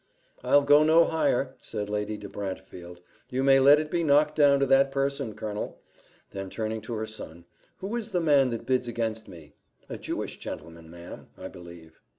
"I'll go no higher," said Lady de Brantefield; "you may let it be knocked down to that person, Colonel." Then turning to her son, "Who is the man that bids against me?" "A Jewish gentleman, ma'am, I believe."